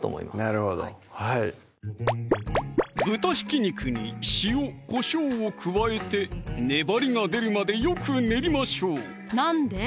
なるほど豚ひき肉に塩・こしょうを加えて粘りが出るまでよく練りましょうなんで？